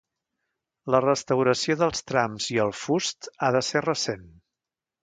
La restauració dels trams i el fust ha de ser recent.